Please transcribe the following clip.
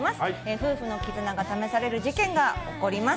夫婦の絆が試される事件が起こります。